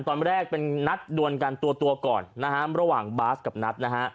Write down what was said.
ตอนแรกเป็นนัดดวนกันตัวก่อนนะฮะระหว่างบาสกับนัทนะฮะ